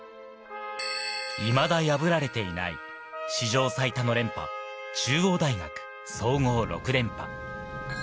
いまだ破られていない史上最多の連覇、中央大学総合６連覇。